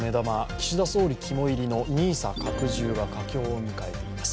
岸田総理肝いりのＮＩＳＡ拡充が佳境を迎えています。